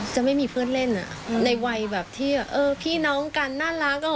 จะไม่มีเพื่อนเล่นในวัยแบบที่พี่น้องกันน่ารัก